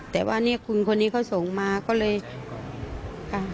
แต่ว่าเนี่ยคุณคนนี้เขาส่งมาก็เลยค่ะ